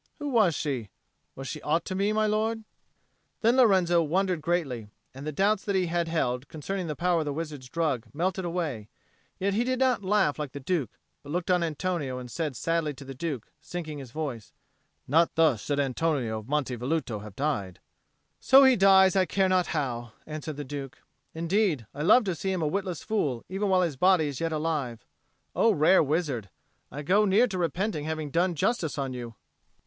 Who was she? Was she aught to me, my lord?" Then Lorenzo wondered greatly, and the doubts that he had held concerning the power of the wizard's drug melted away; yet he did not laugh like the Duke, but looked on Antonio and said sadly to the Duke, sinking his voice, "Not thus should Antonio of Monte Velluto have died." "So he dies, I care not how," answered the Duke. "Indeed, I love to see him a witless fool even while his body is yet alive. O rare wizard, I go near to repenting having done justice on you!